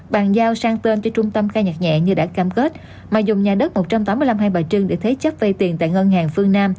bàn giao sang tên cho trung tâm cai nhạc nhẹ như đã cam kết mà dùng nhà đất một trăm tám mươi năm hai bà trưng để thế chấp vay tiền tại ngân hàng phương nam